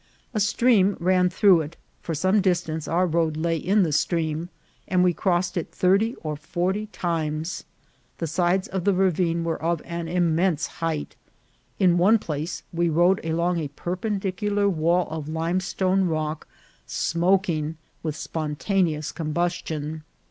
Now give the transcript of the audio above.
A stream ran through it ; for some distance our road lay in the stream, and we cross ed it thirty or forty times. The sides of the ravine were of an immense height. In one place we rode along a perpendicular wall of limestone rock smoking with spontaneous combustion.